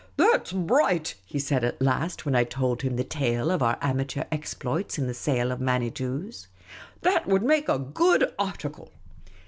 " That 's bright," he said at last, when I told him the tale of our amateur exploits in the sale of Manitous. "That would make a good article!"